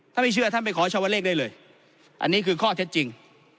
ถ้าไม่เชื่อท่านไปขอชาวเลขได้เลยอันนี้คือข้อเท็จจริง